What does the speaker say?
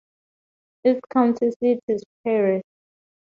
Its county seat is Perry.